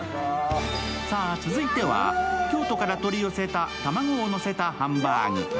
さぁ、続いては京都から取り寄せた卵をのせたハンバーグ。